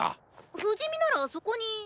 不死身ならそこに。